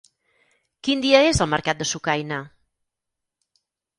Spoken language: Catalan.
Quin dia és el mercat de Sucaina?